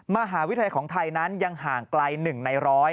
มหาวิทยาลัยของไทยนั้นยังห่างไกล๑ใน๑๐๐